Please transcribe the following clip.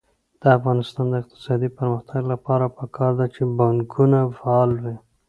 د افغانستان د اقتصادي پرمختګ لپاره پکار ده چې بانکونه فعال وي.